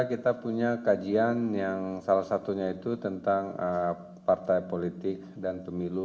kita punya kajian yang salah satunya itu tentang partai politik dan pemilu